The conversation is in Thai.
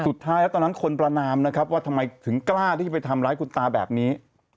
สุดท้ายแล้วตอนนั้นคนประนามนะครับว่าทำไมถึงกล้าที่จะไปทำร้ายคุณตาแบบนี้